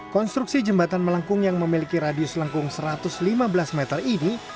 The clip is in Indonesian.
konstruksi jembatan melengkung yang memiliki radius lengkung satu ratus lima belas meter ini